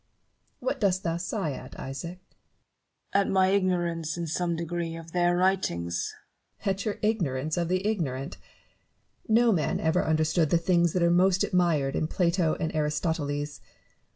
What dost thou sigh at, Isaac 1 Newton. At my ignorance, in some degree, of their ■writings. Barrow. At your ignorance of the ignorant ? No man ever understood the things that are most admired in Plato and Aristoteles.